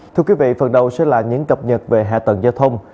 thưa quý vị phần đầu sẽ là những cập nhật về hạ tầng giao thông